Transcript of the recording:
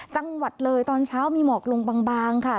จังหวัดเลยตอนเช้ามีหมอกลงบางค่ะ